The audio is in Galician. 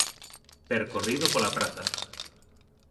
Percorrido pola praza